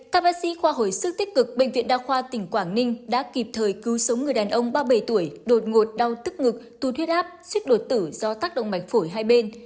các bác sĩ khoa hồi sức tích cực bệnh viện đa khoa tỉnh quảng ninh vừa kịp thời cứu sống người đàn ông ba mươi bảy tuổi đột ngột đau tức ngực tụt huyết áp suýt đột tử do tắc động vạch phổi hai bên